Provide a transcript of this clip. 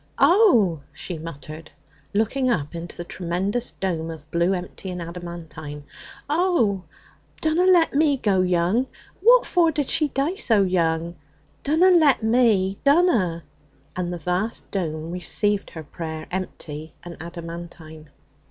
'Oh!' she muttered, looking up into the tremendous dome of blue, empty and adamantine 'oh! dunna let me go young! What for did she dee so young? Dunna let me! dunna!' And the vast dome received her prayer, empty and adamantine.